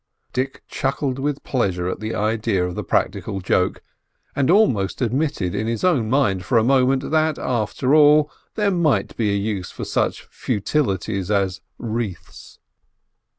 Dick chuckled with pleasure at the idea of the practical joke, and almost admitted in his own mind for a moment, that after all there might be a use for such futilities as wreaths.